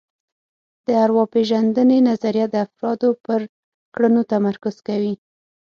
د ارواپېژندنې نظریه د افرادو پر کړنو تمرکز کوي